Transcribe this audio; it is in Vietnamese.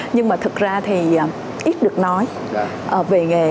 nhưng mà thực ra thì ít được nói về nghề